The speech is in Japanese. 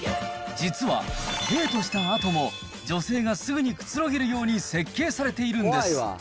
実は、デートしたあとも女性がすぐにくつろげるように設計されているんです。